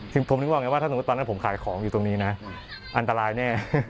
ซึ่งผมนึกว่าไงว่าถ้าสมมุติตอนนั้นผมขายของอยู่ตรงนี้นะอันตรายแน่